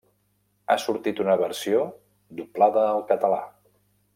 Ha sortit una versió doblada al català.